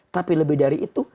tapi lebih dari itu